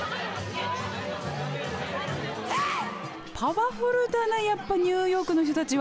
パワフルだなやっぱニューヨークの人たちは。